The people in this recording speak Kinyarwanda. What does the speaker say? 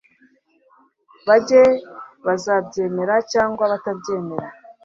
banjye bazabyemera cyangwa batabyemera